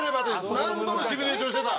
何度もシミュレーションしてた！